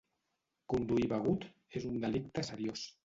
Conduir begut és un delicte seriós.